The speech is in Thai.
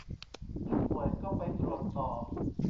ถ้าป่วยก็ไปตรวจต่อ